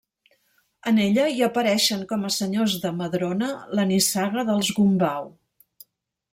En ella hi apareixen com a senyors de Madrona la nissaga dels Gombau.